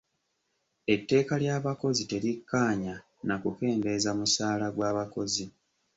Etteeka ly'abakozi terikkaanya na kukendeeza musaala gw'abakozi.